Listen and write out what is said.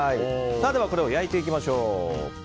では、これを焼いていきましょう。